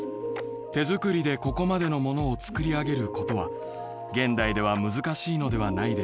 手作りでここまでのものを作り上げることは現代では難しいのではないでしょうか。